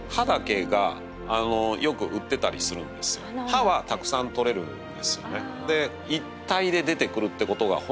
歯はたくさんとれるんですよね。